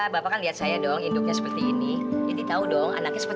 mak ia gak bisa bantu bu